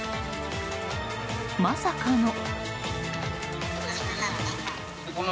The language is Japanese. まさかの。